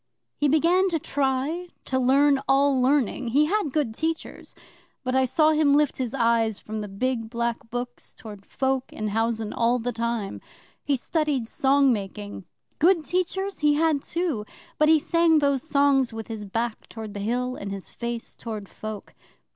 He began to try to learn all learning (he had good teachers), but I saw him lift his eyes from the big black books towards folk in housen all the time. He studied song making (good teachers he had too!), but he sang those songs with his back toward the Hill, and his face toward folk.